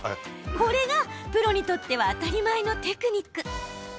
これがプロにとっては当たり前のテクニック。